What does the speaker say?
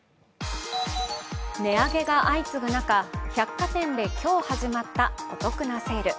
値上げが相次ぐ中、百貨店で今日始まったお得なセール。